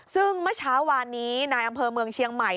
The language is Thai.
ซึ่งเมื่อเช้าวานนี้นายอำเภอเมืองเชียงใหม่